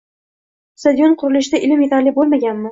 Stadion qurilishida ilm yetarli bo'lmaganmi?